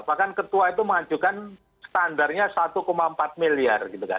bahkan ketua itu mengajukan standarnya satu empat miliar gitu kan